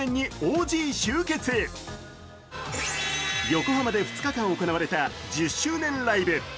横浜で２日間行われた１０周年ライブ。